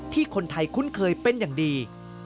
ที่คนไทยคุ้นเคยเป็นอย่างดี